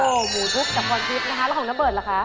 โอ้โฮหมูทุบจากพอนทิพย์นะคะแล้วของน้ำเบิร์ดล่ะคะ